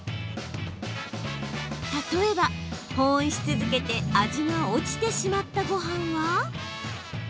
例えば、保温し続けて味が落ちてしまったごはんは。